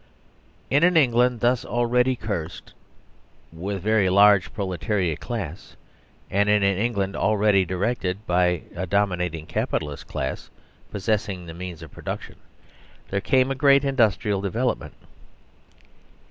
In an England thus already cursed with a very 68 THE DISTRIBUTIVE FAILED large proletariat class, and in an [England already directed by a dominating Capitalist class, possessing the means of production, there came a great indus trial development.